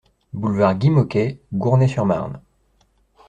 Boulevard Guy Môquet, Gournay-sur-Marne